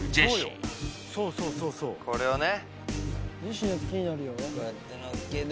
これをね